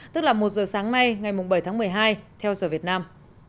tức là một giờ sáng nay ngày bảy tháng một mươi hai theo giờ việt nam